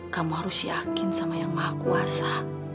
kamu harus yakin sama yang maha kuasa